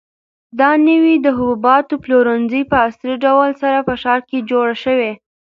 دا نوی د حبوباتو پلورنځی په عصري ډول سره په ښار کې جوړ شوی.